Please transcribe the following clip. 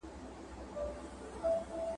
ویل وایه که ریشتیا در معلومیږي `